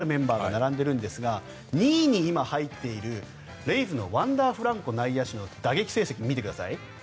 ご覧のような、名立たるそうそうたるメンバーが並んでいるんですが２位に今、入っているレイズのワンダー・フランコ内野手の打撃成績を見てください。